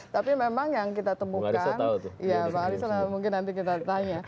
tapi memang yang kita temukan ya pak arison mungkin nanti kita tanya